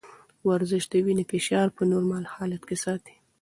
ورزش د وینې فشار په نورمال حالت کې ساتي.